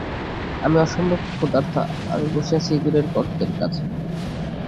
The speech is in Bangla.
আমি অসম্ভব ক্ষুধার্তা আমি বসে আছি ইঁদুরের গর্তের কাছে।